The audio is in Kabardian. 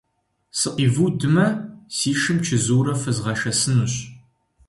Сыкъивудмэ, си шым чэзуурэ фызгъэшэсынущ.